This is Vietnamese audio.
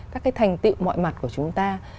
các cái thành tựu mọi mặt của chúng ta